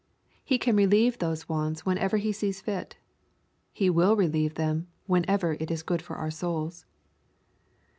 He can relieve those wants, when ever He sees fit. He will relieve them, whenever it is good for our souls.